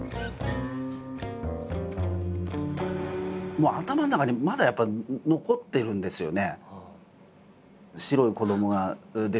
もう頭の中にまだやっぱり残ってるんですよね。